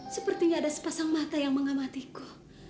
sepertinya ada sepasang mata yang mengamatiku